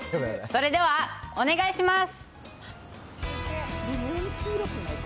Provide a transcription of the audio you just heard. それではお願いします。